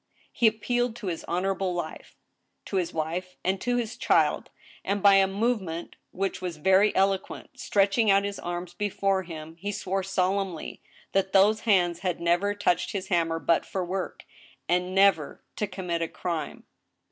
He appealed to his honorable life, to his wife, and to his child, and, by a movement which was very eloquent, stretching out his arms before him he swore solemnly that those hands had never touched his hammer but for work, and never to commit a crime.